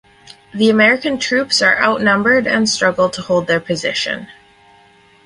The American troops are outnumbered and struggle to hold their position.